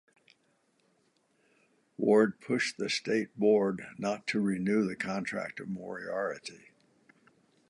Ward pushed the state board not to renew the contract of Moriarty.